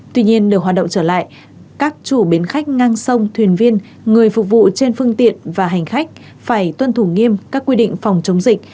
tuy nhiên để hoạt động trở lại các chủ bến khách ngang sông thuyền viên người phục vụ trên phương tiện và hành khách phải tuân thủ nghiêm các quy định phòng chống dịch